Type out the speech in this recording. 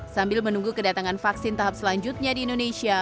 sambil menunggu kedatangan vaksin tahap selanjutnya di indonesia